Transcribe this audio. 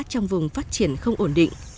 trong vùng phát triển không ổn định